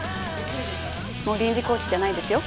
もう臨時コーチじゃないですよ。